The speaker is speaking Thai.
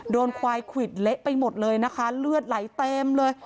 โดนควายควิดเละไปหมดเลยนะคะเลือดไหลเต็มเลย